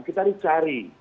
kita harus cari